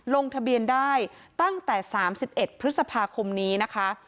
ลงทะเบียนได้ตั้งแต่๓๑พฤษภาคมนี้นะคะ